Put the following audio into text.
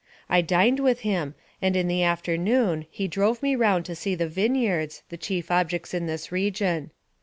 I dined with him, and in the afternoon he drove me round to see the vineyards, the chief objects in this region.